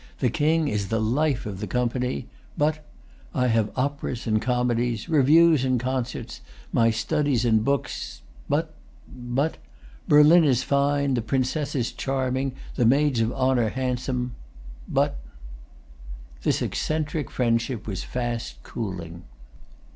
The King is the life of the company. But—I have operas and comedies, reviews and concerts, my studies and books. But—but—Berlin is fine, the princesses charming, the maids of honor handsome. But"— This eccentric friendship was fast cooling.